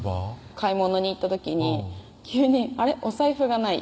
買い物に行った時に急に「あれ？お財布がない」